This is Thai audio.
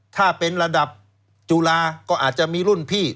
ถ้าเป็นระดับจุฬาก็อาจจะมีรุ่นพี่